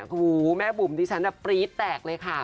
หูแม่บุ๋มดิฉันปรี๊ดแตกเลยค่ะ